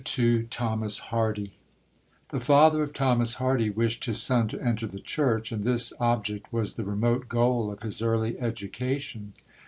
II THOMAS HARDY The father of Thomas Hardy wished his son to enter the church, and this object was the remote goal of his early education.